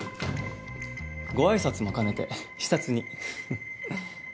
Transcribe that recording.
ご挨拶も兼ねて視察にははっ。